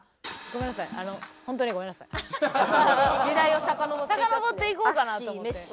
さかのぼっていこうかなと思って。